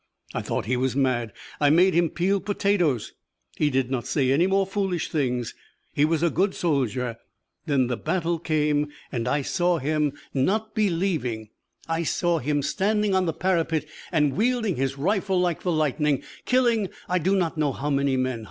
I thought he was mad. I made him peel potatoes. He did not say any more foolish things. He was a good soldier. Then the battle came and I saw him, not believing I saw him, standing on the parapet and wielding his rifle like the lightning, killing I do not know how many men.